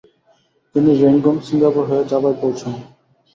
তিনি Rangoon, Singapore হয়ে জাভায় পৌঁছন।